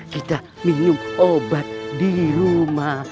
kita minum obat di rumah